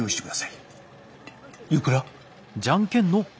いくら？